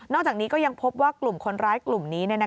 จากนี้ก็ยังพบว่ากลุ่มคนร้ายกลุ่มนี้